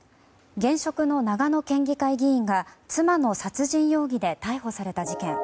現職の長野県議会議員が妻の殺人容疑で逮捕された事件。